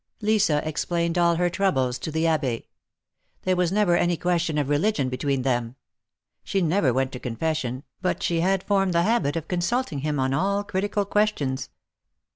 Lisa explained all her troubles to the Abb6. There was never any question of religion between them. She never went to confession, but she had formed the habit of consulting him on all critical questions.